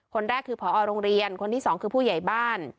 คนแรกคือพอโรงเรียนคนที่สองคือผู้ใหญ่บ้าน